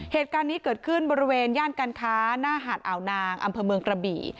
เหตุการณ์นี้เกิดขึ้นบริเวณย่านการค้าหน้าหาดอ่าวนางอำเภอเมืองกระบี่